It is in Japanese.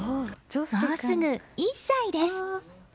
もうすぐ１歳です！